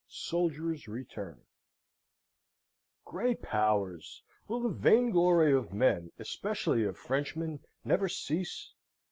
Soldier's Return Great Powers! will the vainglory of men, especially of Frenchmen, never cease?